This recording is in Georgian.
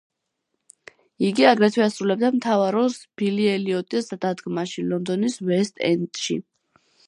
იგი აგრეთვე ასრულებდა მთავარ როლს „ბილი ელიოტის“ დადგმაში, ლონდონის ვესტ-ენდში.